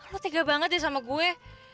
lo tega banget deh sama gue